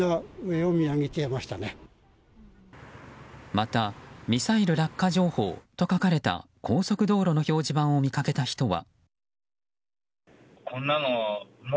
またミサイル落下情報と書かれた高速道路の表示板を見かけた人は。